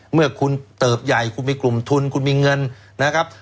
เมื่อคุณเติบใหญ่คุณมีกลุ่มทุนคุณมีเงินนะครับ